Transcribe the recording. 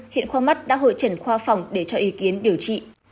hiện khoa mắt đã hội trần khoa phòng để cho ý kiến điều trị